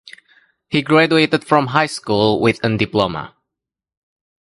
He graduated from high school with an diploma.